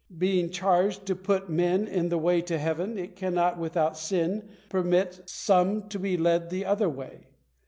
Being charged to put men in the way to heaven, it cannot without sin permit some to be led the other way.